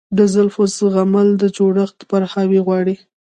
د زلزلو زغمل د جوړښت پوهاوی غواړي.